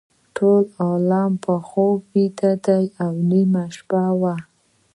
ټول عالم په خوب ویده و نیمه شپه وه.